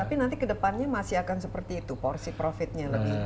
tapi nanti kedepannya masih akan seperti itu porsi profitnya lebih